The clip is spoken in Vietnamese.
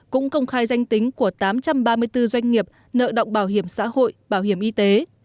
cũng công khai danh tính của tám trăm ba mươi bốn doanh nghiệp nợ động bảo hiểm xã hội bảo hiểm y tế